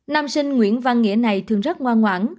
nam sinh nguyễn văn nghĩa này thường rất ngoan ngoãn